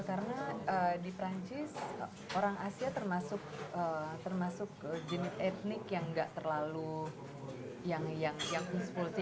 karena di perancis orang asia termasuk jenis etnik yang gak terlalu yang usful sih